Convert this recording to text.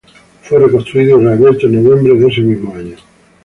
Fue reconstruido y reabierto en noviembre de ese mismo año.